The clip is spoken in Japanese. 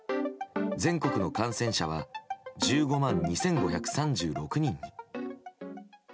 全国の感染者は１５万２５３６人。